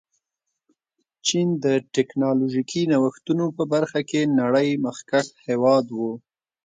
چین د ټکنالوژيکي نوښتونو په برخه کې نړۍ مخکښ هېواد و.